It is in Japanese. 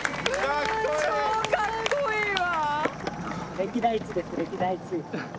超かっこいいわ。